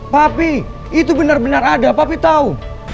papi itu benar benar ada papi tahu